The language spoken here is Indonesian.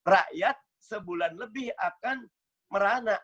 rakyat sebulan lebih akan merana